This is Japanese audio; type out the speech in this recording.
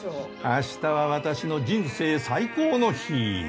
明日は私の人生最高の日。